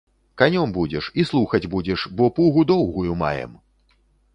Канём будзеш і слухаць будзеш, бо пугу доўгую маем!